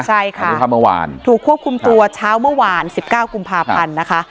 ใช่ค่ะหรือความเมื่อวานถูกควบคุมตัวเช้าเมื่อวานสิบเก้าคุมภาพันธ์นะคะ